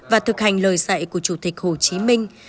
và thực hành lời dạy của chủ tịch hồ chí minh